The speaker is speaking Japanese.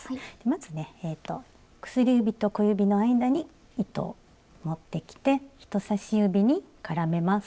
まずね薬指と小指の間に糸を持ってきて人さし指に絡めます。